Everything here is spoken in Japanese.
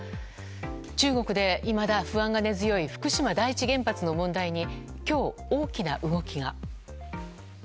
中国でいまだ不安が根強い福島第一原発の問題に今日、大きな動きが。